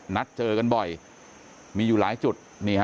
นัดเจอกันบ่อยมีอยู่หลายจุด